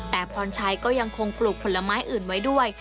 แต่พรชัยก็ยังคงปลูกผลไม้อื่นไว้ด้วย